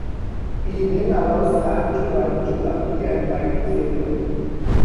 He then allows Sam to run to Lucky and try to save him.